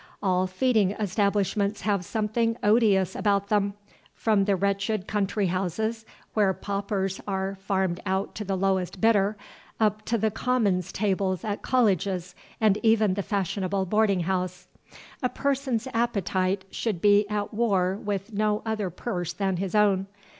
All feeding establishments have something odious about them, from the wretched country houses where paupers are farmed out to the lowest bidder, up to the commons tables at colleges and even the fashionable boarding house. A person's appetite should be at war with no other purse than his own.